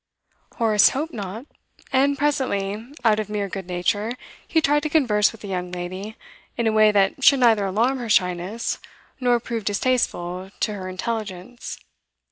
Horace hoped not; and presently out of mere good nature he tried to converse with the young lady in a way that should neither alarm her shyness nor prove distasteful to her intelligence.